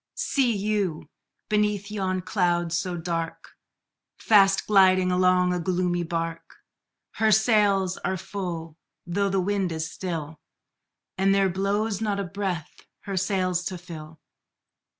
See you, beneath yon cloud so dark, Fast gliding along a gloomy bark? Her sails are full, though the wind is still, And there blows not a breath her sails to fill!